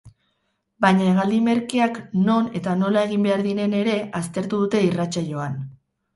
Baina hegaldi merkeak non eta nola egin behar diren ere aztertu dute irratsaioan.